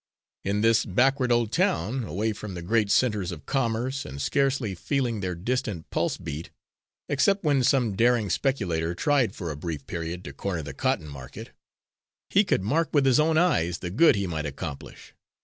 In this backward old town, away from the great centres of commerce, and scarcely feeling their distant pulsebeat, except when some daring speculator tried for a brief period to corner the cotton market, he could mark with his own eyes the good he might accomplish.